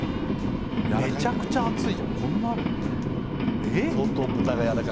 めちゃくちゃ厚いじゃんこんなあるよえっ？